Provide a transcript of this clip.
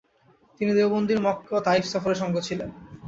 তিনি দেওবন্দির মক্কা ও তাইফ সফরে সঙ্গে ছিলেন।